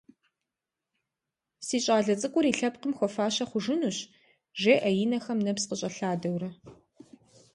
Си щӏалэ цӏыкӏур и лъэпкъым хуэфащэ хъужынущ, – жеӏэ, и нэхэм нэпс къыщӏэлъадэурэ.